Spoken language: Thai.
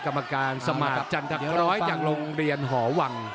รับการสมัครจันทร์ท๗๐๐ต่างโรงเรียนหอว่าง